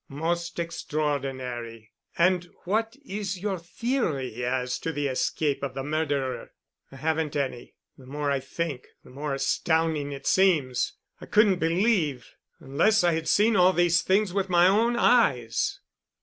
"Most extraordinary! And what is your theory as to the escape of the murderer?" "I haven't any. The more I think, the more astounding it seems. I couldn't believe, unless I had seen all these things with my own eyes."